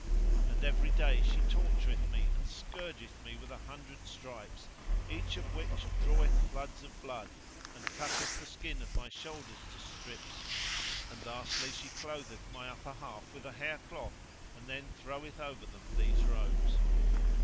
[FN#131] And every day she tortureth me and scourgeth me with an hundred stripes, each of which draweth floods of blood and cutteth the skin of my shoulders to strips; and lastly she clotheth my upper half with a hair cloth and then throweth over them these robes."